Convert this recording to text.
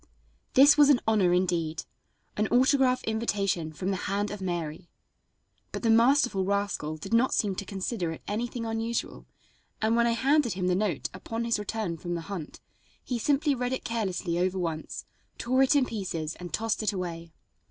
This was an honor indeed an autograph invitation from the hand of Mary! But the masterful rascal did not seem to consider it anything unusual, and when I handed him the note upon his return from the hunt, he simply read it carelessly over once, tore it in pieces and tossed it away.